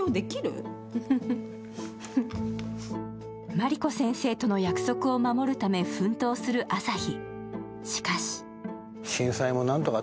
茉莉子先生との約束を守るため奮闘する、あさひ。